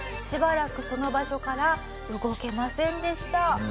しばらくその場所から動けませんでした。